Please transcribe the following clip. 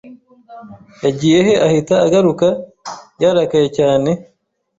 Yagiyehe ahita agaruka yarakaye cyane?